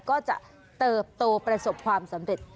ก็จะเติบโตประสบความสำเร็จ